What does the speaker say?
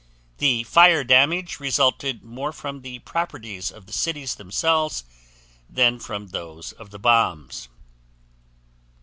The fire damage resulted more from the properties of the cities themselves than from those of the bombs.